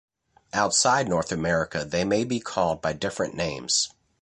Outside North America they may be called by different names.